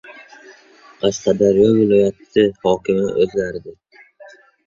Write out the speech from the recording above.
Qashqadaryo viloyati hokimi o‘zgardi